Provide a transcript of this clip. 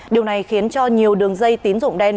điều này khiến cho nhiều đường dây tín dụng đen